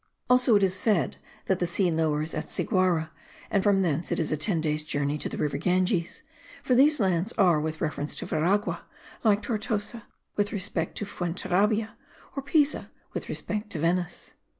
[Also it is said that the sea lowers at Ciguara, and from thence it is a ten days' journey to the river Ganges; for these lands are, with reference to Veragua, like Tortosa with respect to Fuenterabia, or Pisa, with respect to Venice.